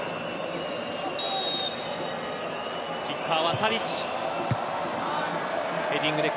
キッカーはタディッチ。